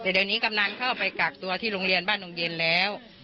แต่เดี๋ยวนี้กำนันเข้าไปกักตัวที่โรงเรียนบ้านดงเย็นแล้ว